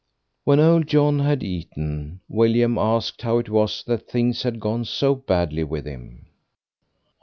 When old John had eaten, William asked how it was that things had gone so badly with him.